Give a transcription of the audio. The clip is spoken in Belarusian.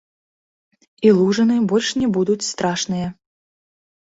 І лужыны больш не будуць страшныя.